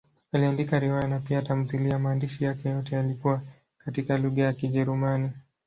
Aliandika riwaya na pia tamthiliya; maandishi yake yote yalikuwa katika lugha ya Kijerumani.